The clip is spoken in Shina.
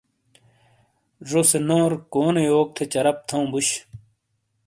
ذوسے نور کونے یوک تھے چَرپ تھَوں بُش۔